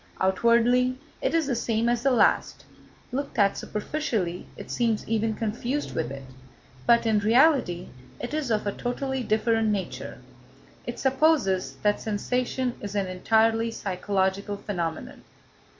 Outwardly it is the same as the last; looked at superficially it seems even confused with it; but, in reality it is of a totally different nature. It supposes that sensation is an entirely psychological phenomenon.